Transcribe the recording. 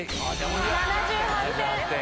７８点。